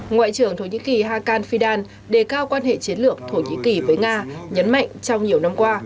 ngoại trưởng thổ nhĩ kỳ hakan fidan đề cao quan hệ chiến lược thổ nhĩ kỳ với nga nhấn mạnh trong nhiều năm qua